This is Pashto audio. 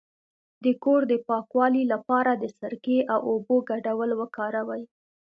د کور د پاکوالي لپاره د سرکې او اوبو ګډول وکاروئ